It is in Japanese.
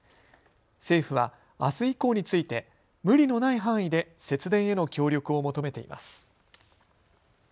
政府はあす以降について無理のない範囲で節電への協力を求めています。